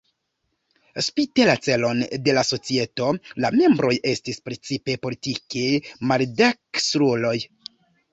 Spite la celon de la societo la membroj estis precipe politike maldekstruloj.